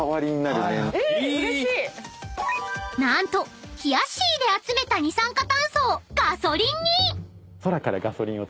［何とひやっしーで集めた二酸化炭素をガソリンに！］